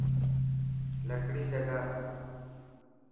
لڪڙي جگاهه.